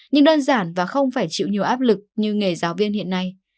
nhưng đơn giản và không phải chịu nhiều áp lực như nghề giáo viên hiện nay